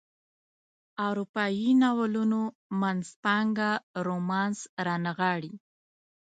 اروپایي ناولونو منځپانګه رومانس رانغاړي.